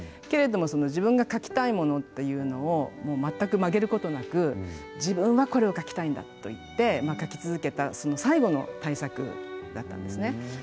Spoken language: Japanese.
けれども自分が描きたいものというのを全く曲げることなく自分はこれを描きたいんだと言って描き続けたその最後の大作だったんですね。